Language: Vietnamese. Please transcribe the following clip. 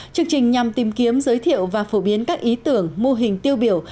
chương trình nhằm tìm kiếm giới thiệu và phổ biến các ý tưởng mô hình tiêu biểu